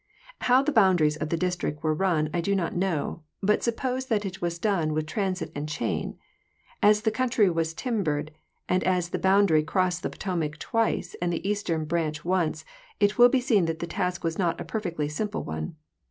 How the boundaries of the District were run I do not know, but suppose that it was done with transit and chain. As the country was timbered, and as the boundary crossed the Potomac twice and the Eastern branch once, it will be seen that the task was not a perfectly simple one.